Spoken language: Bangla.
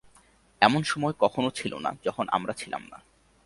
এমন সময় কখনও ছিল না, যখন আমরা ছিলাম না।